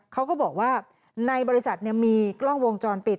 เขาก็บอกว่าในบริษัทมีกล้องวงจรปิด